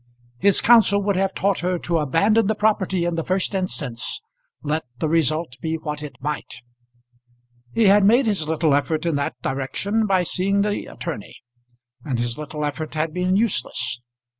His counsel would have taught her to abandon the property in the first instance, let the result be what it might. He had made his little effort in that direction by seeing the attorney, and his little effort had been useless.